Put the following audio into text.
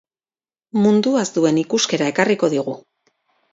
Munduaz duen ikuskera ekarriko digu.